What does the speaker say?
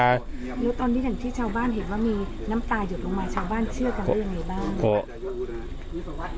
แล้วตอนนี้อย่างที่ชาวบ้านเห็นว่ามีน้ำตายุดลงมาชาวบ้านเชื่อกันได้ยังไงบ้าง